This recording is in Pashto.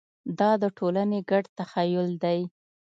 دا د ټولنې ګډ تخیل دی.